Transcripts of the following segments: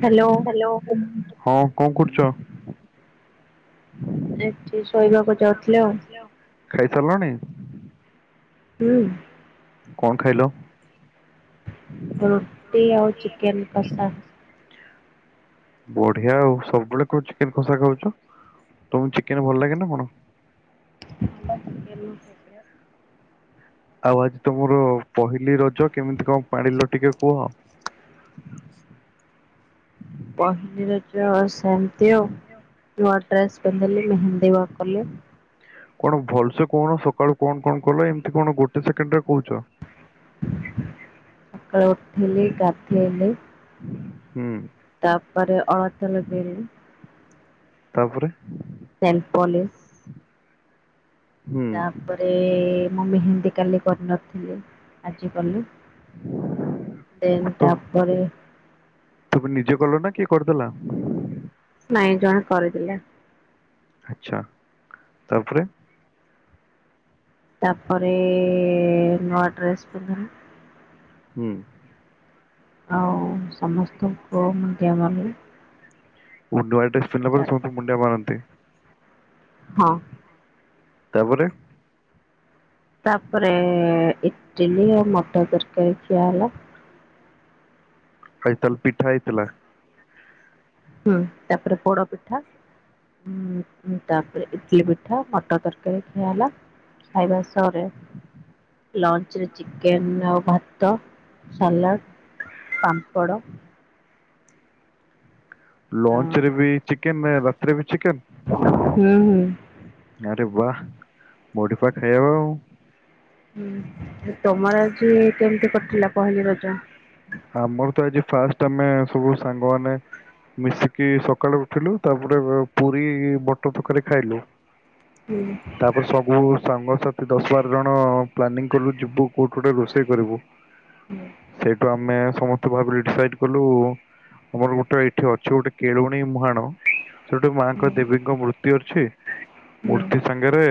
Hello ଲ ହଁ କଣ କରୁଛ? ଏଠି ଶୋଇବାକୁ ଯାଉଥିଲେ ଆଉ ଖାଇସାରିଲାଣି ହୁଁ କଣ ଖାଇଲ ରୁଟି ଆଉ ଚିକେନ କଷା ବଢିଆ ଆଉ ସବୁବେଳେ ଚିକେନ ଖସା ଖାଉଛ ତମକୁ ଚିକେନ ଭଲ ଲାଗେ ନା କଣ? ନ କ ଏ କ ଆଉ ଆଜି ତମର ପହିଲି ର ଛ କେମିତି କଣ ପାଣିିଲ ଟିକେ କୁହ? ପାହିନରା ସେତି ଟ୍ରସ୍ ବ ମେହା ସେବା କଲେ କଣ ଭଲସେ କଣ ସକାଳୁ କଣ କଣ କଲ ଏମିତି କଣ ଗୋଟେ ସେକେଣ୍ଡ ରେ କହୁଛ। ଅକାଡ ଉଠଲି ଗଦ ହେଲି ହୁଁ ତାପରେ ଅଳ ତ ଲଗେଇଲେ ତାପରେ ସେଲପଲି ହୁଁ ତାପରେ ମୁଁ ବିେହତିୀ କାଲି କରିନଥିଲି ଆଜ କାଲି ତ ତାପରେ ତୁମେ ନିଜେ କଲ ନା କିି କରଦଲା କାଇଁ ଜଣ କରିଦଲେ ଆଛା ତାପରେ ତାପରେ ନୂଆ ଡ୍ରେସ୍ ପିନ୍ଧିଲ ହୁଁ ଆଉ ସମସ୍ତଙ୍କୁ ମଧ୍ୟ ଭଲ ଉଣ୍ଡଆ ମୁଣ୍ଡିଆ ମାରନ୍ତି ହଁ ତାପରେ ତାପରେ ଇଟଲିିଉ ମଟା ତରକାରୀ ଖ ଆଲା ଆଇ ତାହଲେ ପିଠା ହେଇଥିଲା ହୁଁ ତାପରେ ପୋଡ ପିଠା ତାପରେ ଇଟଲି ପିଠା ମଟର ତରକାରୀ ଖିଆ ହେଲା ଖାଇବା ସହରେ ଲଞ୍ଚ ରେ ଚିକେନ ଆଉ ଭାତ ସାଲାଡ ପାମ୍ପଡ଼ ଲଞ୍ଚ ରେ ବି ଚିକେନ ରଥରେ ବି ଚିକେନ ହୁଁ ହୁଁ ଆରେ ବାହ ମଡ଼ିପା ଖାଇବା ହଉ ହଁ ତମର ଯେ କେମିତି କରିଥିଲା ପହିଲି ରଜ ଆମର ତ ଆଜି ଫାଷ୍ଟ ଆମେ ସବୁ ସାଙ୍ଗମାନେ ମିଶିକି ସକାଳେୁ ଉଠିଲୁ ତାପରେ ପୁରୀ ବଟର ଥରକାରୀ ଖାଇଲୁ ହୁଁ ତାପରେ ସବୁ ସାଙ୍ଗ ସତି ଦଶ ବାର ଜଣ ପ୍ଲାନିଂ କଲୁ ଯିବୁ କୋଉଠୁ ଗୋଟେ ରୋଷେଇ କରିବୁ ହୁଁ ସେଇଠୁ ଆମେ ସମସ୍ତେ ଭାବିଲେ ଡିସାଇଡ କଲୁ ଆମର ଗୋଟେ ଏଠି ଅଛି ଗୋଟେ କେଳଣେଇ ମୁହାଣ ସେଠି ମାଙ୍କ ହୁଁ ଦେବୀଙ୍କ ମୂର୍ତ୍ତି ଅଛି ହୁଁ ମୂର୍ତ୍ତି ସାଙ୍ଗରେ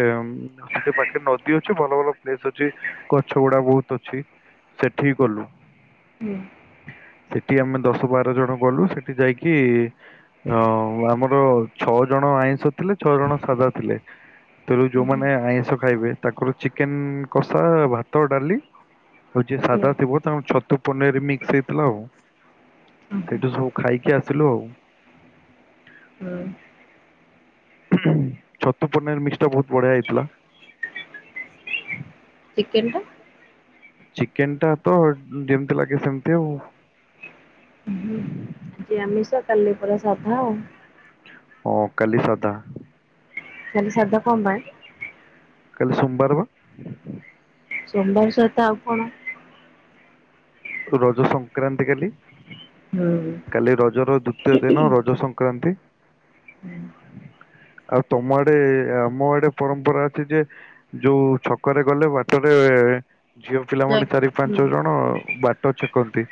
ସେଠି ପାଖରେ ନଦୀ ଅଛି ଭଲ ଭଲ ପ୍ଲେସ ଅଛି ଗଛ ଗୁଡା ବହୁତ ଅଛି ସେଠି ହି ଗଲୁ ହୁଁ ସେଠି ଆମେ ଦଶ ବାର ଜଣ ଗଲୁ ସେଠି ଯାଇକି ଅ ଆମର ଛଅ ଜଣ ଆଇଁଷ ଥିଲେ ଛଅ ଜଣ ସାଧା ଥିଲେ ତେଣୁ ଯୋଉମାନେ ହୁଁ ଆଇଁଷ ଖାଇବେ ତାଙ୍କର ଚିକେନ କଷା ଭାତ ଡାଲି ଆଉ ଯିଏ ସାଧା ଥିବ ତାଙ୍କ ଛ, ତୁ ପନିର ମିକ୍ସ ହେଇଥିଲା ଆଉ ହୁଁ [inaudible] ହୁଁ। ସେଇଠୁ ସବୁ ଖାଇକି ଆସିଲୁ ଆଉ [inaudible] ହୁଁ। ଛତୁ ପୂର୍ଣ୍ଣ ମିକ୍ସ ଟା ବହୁତ ବଢିଆ ହେଇଥିଲା [inaudible] ଚିକେନଟା ଚିକେନ ଟା ତ ଯେମିତି ଲାଗେ ସେମତି ଆଉ [inaudible] ଆଜ୍ଜି ଆମିସ କାଲି ପୁରା ସାଧା ହଁ କାଲି ଶାଧା କାଲି ଶାଧା କଣ ପାଇଁ କାଲି ସୋମବାର ବା ସୋମବାର ସହିତ ଆଉ କଣ ରଜ ସଂକ୍ରାନ୍ତି କାଲି। ହୁଁ କାଲି ରଜର ଦୁ। ଦୃତୀୟ ଦିନ ରଜ ସଂକ୍ରାନ୍ତି । [inaudible] ଆଉ ତମ ଆଡେ ଆମ ଆଡେ ପରମ୍ପରା ଅଛି ଯେ ଯୋଉ ଛକରେ ଗଲେ ବାଟରେ ଝିଅ ପିଲାମାନୋନେ ଚାରି ପାଞ୍ଚ ହୁଁ ଜଣ ବା ଟ ଛେକନ୍ତି।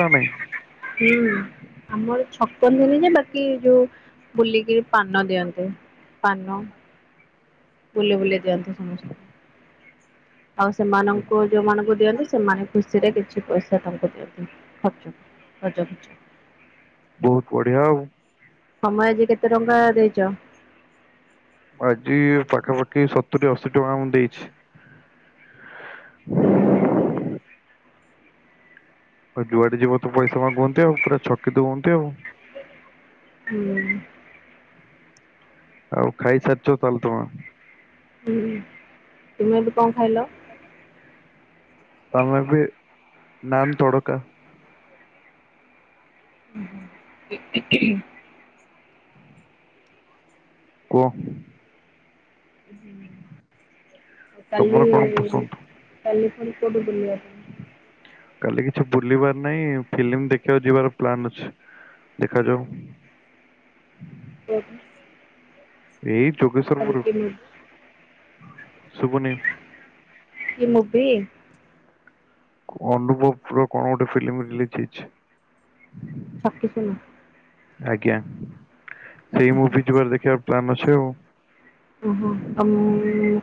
ନା ନାଇଁ? ହୁଁ ଆମର ଛପନ ହେନ ଯେ ବାକି ଯୋଉ ବୁଲିକିରି ପାନ ଦିଅନ୍ତେ। ପାନ [inaudible] ବୁଲି ବୁଲି ଦିଅନ୍ତେ ସମସ୍ତଙ୍କୁ ଆଉ ସେମାନଙ୍କୁ ଯୋଉମାନଙ୍କୁ ଦିଅନ୍ତି ସେମାନେ ଖୁସିରେ କିଛି ପଇସା ତାଙ୍କୁ ଦିଅନ୍ତୁ ଖର୍ଚ୍ଚ ରଜ ଖର୍ଚ୍ଚ [inaudible] ବହୁତ ବଢିଆ ଆଉ ତମେ ଆଜି କେତେ ଟଙ୍କା ଦେଇଚ? ଆଜି ପାଖାପାଖି ସତୁରୀ ଅଶୀ ଟଙ୍କା ମୁଁ ଦେଇଛି। [inaudible] ହୁଁ ହୁଁ ଆଉ ଯୁଆଡେ ଯିବ ତ ପଇସା ମାଗନ୍ତି ଆଉ ପୁରା ଛକି ଦିଅନ୍ତି ଆଉ [inaudible] ହୁଁ। ଆଉ ଖାଇସାରଛ ତାହଲେ ତମେ ହୁଁ ତୁମେ ଆଜି କଣ ଖାଇଲ? ତମେ ବି ନାନ ତଡ଼କା ଉଁ ହୁଁ [inaudible] କୁହ କାଲି ତମର କଣ ପସନ୍ଦ? କାଲି ରୂପ ଟୁ ବୁଲିଆ କି କିଛି ବୁଲିବାର ନାହିଁ ଫିଲ୍ମି ଦେଖିବାକୁ ଯିବାର ପ୍ଲାନ୍ ଅଛି। ଦେଖାଯାଉ [inaudible] ଓହୋ ଏଇ ଯୋଗେଶ ର ମୋର ମୁ ସୁବୁନି [inaudible] କି ମୁଁ ମୁଭି ଅନୁଭବ ପୁର କଣ ଗୋଟେ ଫିଲ୍ମ ରିଲିଜ ହେଇଛି। [inaudible] ଛକି ଶୂନ ଆଜ୍ଞା ସେଇ ମୁଭି ଯିବାର ଦେଖିବାକୁ ପ୍ଲାନ ଅଛି ଆଉ ଓହୋ ତମେ ମେ ଏଁ ଏଁ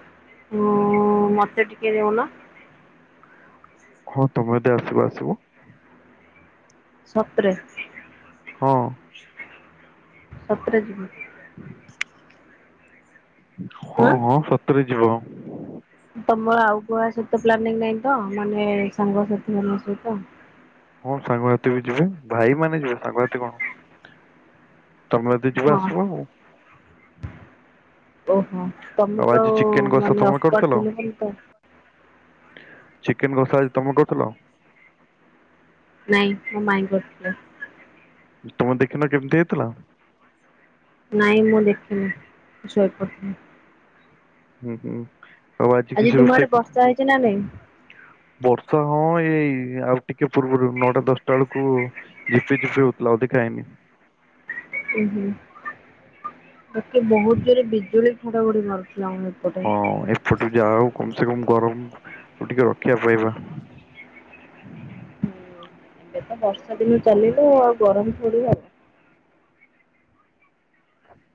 ମଁ ମଁ ମତେ ଟିକେ କେ ଯାଉନ ହଁ ତମେ ଯଦି ଆସିବ ଆସିବ। ସତରେ ହଁ । ସତରେ ଯିବି [inaudible] ହଁ ଆଁ? ହଁ ସତ ରେ ଯି [inaudible] ତମର ଆଉ କୁହା ସହିତ ପ୍ଲାନିଂ ନାହିଁ ତ ମାନେ ସାଙ୍ଗସାଥି ମାନଙ୍କ ସହିତ ହଁ ସାଙ୍ଗସାଥୀ ବି ଯିବେ ଭାଇ ମାନ ଯିବେ ସାଙ୍ଗସାଥି କଣ? ତମେ ଯଦି ଯିବ ହଁ। ଆସିବା ଆଉ ଓହୋ ତମକୁ ଆଜି ଆଉ ଚିକେନ କଷା ମାନେ ତମେ ଅଫ କରିଥିଲ କରିଥିଲେ ତ ଚିକେନ ଘୋଷା ଆଜି ତମେ କରୁଥିଲ। ନାଇଁ ମୋ ମାଇଁ କରଥିଲେ। ତମେ ଦେଖିନ କେମିତି ହେଇଥିଲା। ନାଇଁ ମୁଁ ଦେଖିନି ଶୋଇ ପ ହୁଁ । ହୁଁ ହୁଁ। ଆଉ ଆଜି କିଛି ତୁମ ଆଡେ ରୋଷେଇ କହ ବର୍ଷା ହେଇଛି ନା ନାଇଁ? ବର୍ଷା ହଁ ଏଇ ଆଉ ଟିକେ ପୂର୍ବରୁ ନଅଟା ଦଶଟା ବେଳକୁ ଝିପି ଝିପି ହଉଥିଲା ଆଉ ଦେଖାହଇନି ହୁ ହୁଁ ମେ ବହୁତ ରେ ବିଜୁଳି ଘଡଘଡି ମାର ହଁ ଏପଟୁ ଯା ହଉ କମ ସେ କମ ଗରମ ଟିକେ ରକ୍ଷା ପାଇବା ଏ ତ ବର୍ଷା ଦିନ ଚାଲିଲ ଆଉ ଗରମ ପଡିଗଲା।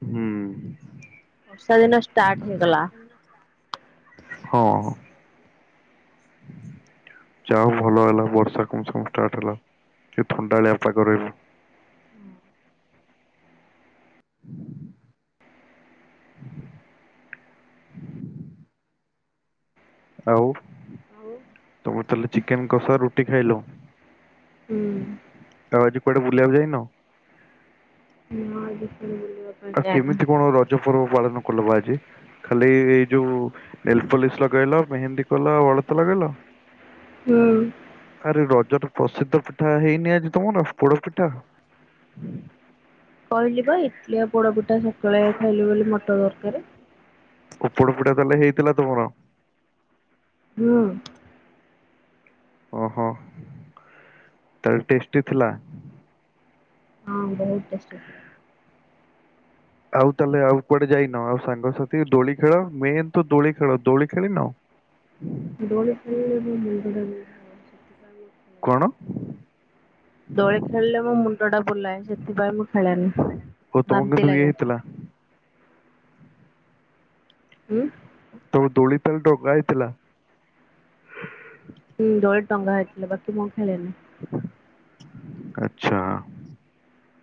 ହୁଁ । ବର୍ଷା ଦିନ ଷ୍ଟାର୍ଟ ହେଇଗଲା। ହଁ ଯାହା ହଉ ଭଲ ହେଲା ବର୍ଷା କଣ ସୁଷ୍ଟଟ ହେଲା କି ଥଣ୍ଡାଳିଆ ପାଗ ରହିବ। ଆଉ ହୁଁ ତମେ ତାହେଲେ ଚିକେନ କଷା ରୁଟି ଖାଇଲ। ଆଉ ଆଜି କୁଆଡେ ବୁଲିବାକୁ ଯାଇନ। ହ। ଆଉ କେମିତି କଣ ରଜ ପର୍ବ ପାଳନ କଲ ବା ଆଜି ଖାଲି ଏଇ ଯୋଉ ନେଲ ପୋଲିସ ଲଗେଇଲ ମେହେନ୍ଦୀ କଲ ଅଳତା ଲଗେଇଲ ହୁଁ । ଆରେ ରଜର ପ୍ରସିଦ୍ଧ ପିଠା ହେଇନି ଆଜି ତମର ପୋଡ ପିଠା କହିଲି ବା ଇଟଲି ଆ ପୋଡ ପିଠା ସକାଳେ ଖାଇଲୁ ବୋଲି ମଟର ତରକାର କପଡ଼ ପିଟା ତାହେଲେ ହେଇଥିଲା ତୁମର ହଁ। ଓହୋ ତାହଲେ ଟେଷ୍ଟି ଥିଲା। ହଁ ବହୁତ ଟେଷ୍ଟ ଥିଲା। ଆଉ ତାହେଲେ ଆଉ କୁଆଡେ ଯାଇନ ଆଉ ସାଙ୍ଗସାଥି ଦୋଳି ଖେଳ ମେନ୍ ତୁ ଦୋଳି ଖେଳ ଦୋଳି ଖେଳି ନ? ଦୋଳି ଖେଳିଲେ ମୋ ମୁଣ୍ଡଟା ବିନ୍ଧା ହଉଚି। କଣ? ଦୋଳି ଖେଳିଲେ ମୋ ମୁଣ୍ଡ ଟା ବୁଲାଏ ସେଥିପାଇଁ ମୁଁ ଖେଳେନି ଓ ତମକୁ କିନ୍ତୁ ବାନ୍ତି ଇଏ ଲାଗେ। ହେଇଥିଲା ହୁଁ। ତମ ଦୋଳି ତେଲ ଟଗା ହେଇଥିଲା। ହୁଁ ଦଳେ ଟଙ୍ଗା ହେଇଥିଲା ବାକି ମୁଁ ଖେଳେ ନି । ଆଚ୍ଛା।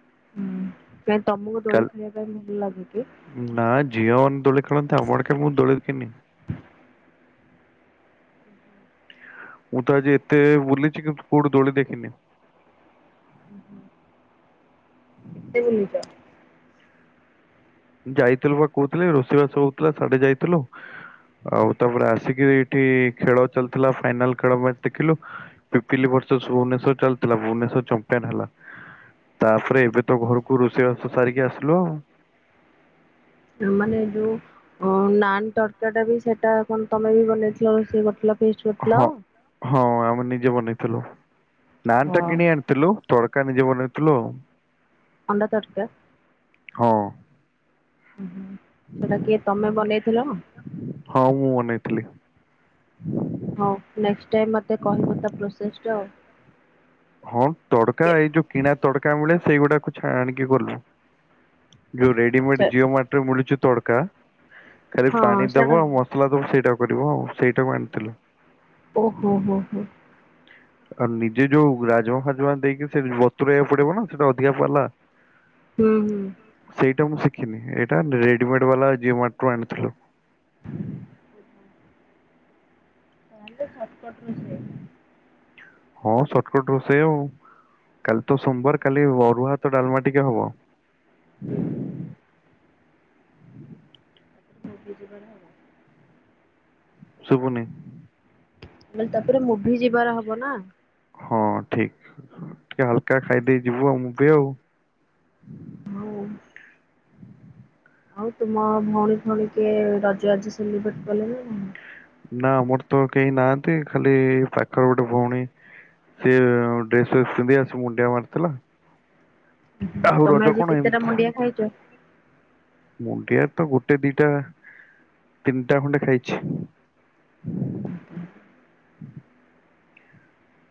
ହୁଁ। କାଇଁ ତମକୁ ଦୋଳି ଖେଳିବା ପାଇଁ ଭଲ ଲାଗେ କି? କଲି ନା ଝିଅ ମାନେ ଦୋଳି ଖେଳନ୍ତି। ଆମର ଆଡେ ମୁଁ ଦୋଳି ଦେଖିନି। ମୁଁ ତ ଆଜି ଏତେ ବୁଲିଛି କିୁ କୋଉଠି ଦୋଳି ଦେଖିନି। କେତେ ବୁଲିଚ? ଯାଇଥିଲୁ ବା କହୁଥିଲି ରୋଷେଇ ବାସ ହଉଥିଲା ସାଢେ ଯାଇଥିଲୁ। ଆଉ ତାପରେ ଆସିକି ଏଇଠି ଖେଳ ଚାଲିଥିଲା ଫାଇନାଲେଳଚ ଦେଖିଲୁିିଲି ବର୍ଷ ଭୁବନେଶ୍ର ଚାଲିଥିଲା ଭୁବନେଶ୍ଵରମ୍ପିନ ହେଲା ତାପରେ ଏବେ ତ ଘରକୁ ରୋଷେଇ ବାସ ସାରିକି ଆସିଲୁ ଆଉ। ମାନେ ଯୋଉ ଅ ନାନ୍ ତରକାର ଟା ବି ସେଇଟା ତମେ ବି ବନେଇଥିଲ ରୋଷେଇ କରିଥିଲ ଫିଷ୍ଟି କରିଥିଲ। ହଁ ହଁ ଆମେ ନିଜେ ବନେଇଥିଲୁ। ନାନ ଟା ହଁ କିଣିଆଣିଥିଲୁ। ତଡକା ନିଜେ ବନେଇଥିଲୁଆଉ। ଅଣ୍ଡା ତରକା? ହଁ। ଓ ହୁ ସେଟା କିଏ ତମେ ବନେଇଥିଲ ନା? ମୁଁ ବନେଇଥିଲି ହଁ। ହଉ ନେଷ୍ଟ୍ ଟାଇମ୍ ମତେ କହିବ ତା ପ୍ରୋସେସ ଟା ଆଉ। ହଁ ତଡକା ଏଇ ଯୋଉ କିଣା ତଡକା ମିଳେ ସେଇଗୁଡାକୁ ଛ ଆଣିକି କଲୁ। ଯଉ ରେଡିମେଡ୍ କେ ଜିଓ ମଟରେ ମିଳୁଚି। ତଡ଼କା ଖାଲି ହଁ ପାଣି ସେଟା ଦବ ଆଉ ମସଲା ଦବ ସେଇଟା କରିବ ଆଉ ସେଇଟା କୁ ଆଣିଥିଲୁ। ଓ ହୋ ହୋ ହୋ। ଆଉ ନିଜେ ଯୋଉ ରାଜାମା ଖାଜୁମା ଦେଇକି ସେ ବତୁରଇକୁ ପଡିବ ନା ସେଇଟା ଅଧିକା ପାଲା। ହୁଁ ହୁଁ। ଏଇଟା ମୁଁ ଶିଖିନି ଏଇଟା ରେଡିମେଡ ବାଲା ଜମଟୁ ଆଣିଥିଲୁ। ସେ ତ ସଛଟକଟ ର ସେ [unintelligible] ହଁ ସଟକଟ ରୋଷେଇ ଆଉ କାଲି ତ ସୋମବାର କାଲି ଅରୁଆାତ ଡାଲମା ଟିକେ ହବ। ହୁଁ। ମୁଛି ବରାବ ଶୁଭୁନି ମେ ତାପରେ ମୁଁ ବି ଯିବାର ହବ ହବ ନା ହଁ ଠିକ ଟିକେ ହାଲକା ଖାଇଦେଇ ଯିବୁ ଆଉଁ କଉ ହଉ ଆଉ ତୁମ ଭଉଣୀ ଭଉଣୀ କିଏ ରଜଜ- ଚ ଭଟ କଲ- ନା ଆମର ତ କେହି ନାହାନ୍ତି ଖାଲି ପାଖର ଗୋଟେ ଭଉଣୀ ସେଏ ଡ୍ରେସ ପିନ୍ଧି ଆସି ମୁଣ୍ଡିଆ ମାରିଥିଲା ଆଉ ତମେ ରଜ ଆଜି କଣ କେତେ ଟା ଏମିତି ମୁଣ୍ଡିଆ ଖାଇଛ ମୁଣ୍ଡିଆ ତ ଗୋଟେ ଦିଟା ତିନିଟା ଖଣ୍ଡେ ଖାଇଛି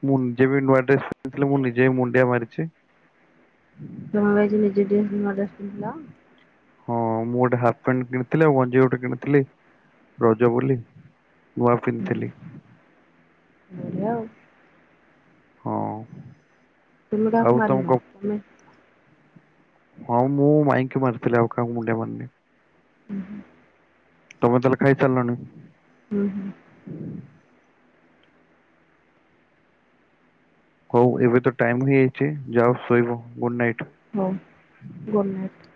ମୁଁ ନିଜେ ବି ନୂଆ ଡ୍ରେଥିଲି ମୁଁ ନିଜେ ବି ମୁଣ୍ଡିଆ ମାରିଛି ଜ ନିଜ ଡେ ଅର୍ଡରା ହଁ ମୁଁ ଗୋଟେ ହାଫ ପ୍ୟାଣ୍ଟ କିଣିଥିଲି ଆଉ ଗଞ୍ଜି ଗୋଟେ କିଣିଥିଲି ରଜ ବୋଲି ନୂଆ ପିନ୍ଧିଥିଲି ବଢିଆ ଆଉ। ହଁ ତୁମେ ଆଉ ଟାକୁ ତମ ମାରିନ କ ତମେ ହଁ ମୁଁ ମାଇକି ମାରଥିଲି ଆଉ କା ମୁଣ୍ଡଆ ମାନେ ହୁଁ ହୁ ତମେ ତାହେ ଖାଇ ଚାଲିଲ ନାହିଁ- ହୁଁ ହୁଁ ହଉ ଏବେ ତ ଟାଇମ ହେଇଯାଇଛି ଯାଉ ଶୋଇବ ଗୁଡ ନାଇଟ- ହଉ ଗୁଡ଼ ନାଇଟ୍-